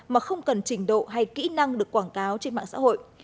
mà không cần trình độ hay kỹ năng được quảng cáo trên mạng xã hội